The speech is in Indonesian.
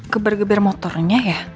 geber geber motornya ya